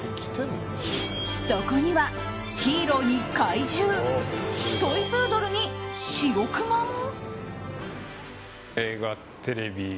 そこにはヒーローに怪獣トイプードルにシロクマも。